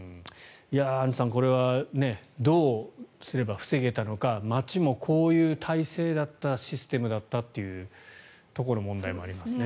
アンジュさんこれはどうすれば防げたのか町も、こういう体制だったシステムだったというところの問題もありますね。